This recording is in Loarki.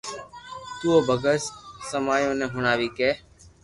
تو او ڀگت سمايو ني ھڻاوي ڪي